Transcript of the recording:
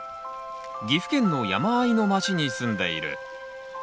岐阜県の山あいの町に住んでいる。